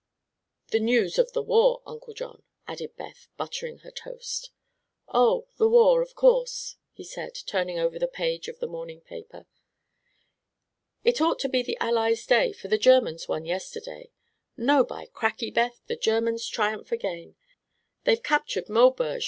"The news of the war, Uncle John," added Beth, buttering her toast. "Oh; the war, of course," he said, turning over the page of the morning paper. "It ought to be the Allies' day, for the Germans won yesterday. No by cracky, Beth the Germans triumph again; they've captured Maubeuge.